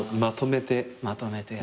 まとめて？